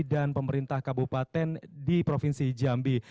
dan pemerintah kabupaten di provinsi jambi